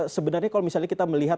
sebenarnya kalau misalnya kita melihat